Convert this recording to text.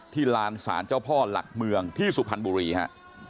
ลานศาลเจ้าพ่อหลักเมืองที่สุพรรณบุรีฮะ